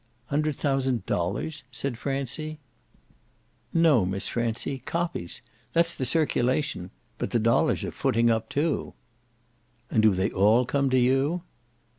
"Hundred thousand dollars?" said Francie. "No, Miss Francie, copies. That's the circulation. But the dollars are footing up too." "And do they all come to you?"